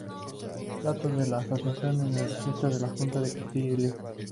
Datos de la asociación en el registro de la Junta de Castilla y León